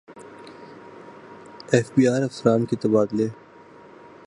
F B R افسران کے تبادلے